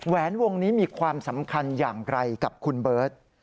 แวนวงนี้มีความสำคัญอย่างไรกับคุณเบิร์ต